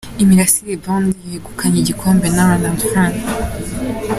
Imirasire Band, begukanye igikombe na , Rwf.